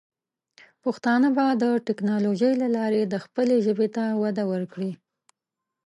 پښتانه به د ټیکنالوجۍ له لارې د خپلې ژبې ته وده ورکړي.